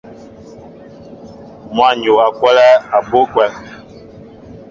Măn yu a kolɛɛ abú kwɛl.